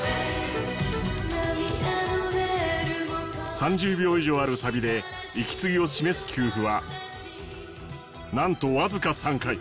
３０秒以上あるサビで息継ぎを示す休符はなんとわずか３回。